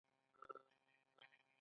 د ایران فوټبال ټیم قوي دی.